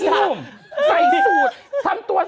เอ้าคุณ